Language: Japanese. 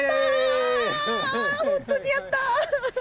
本当にやった！